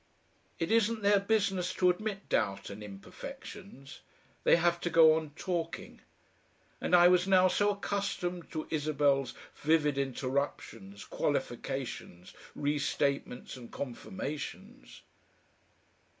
It isn't their business to admit doubt and imperfections. They have to go on talking. And I was now so accustomed to Isabel's vivid interruptions, qualifications, restatements, and confirmations....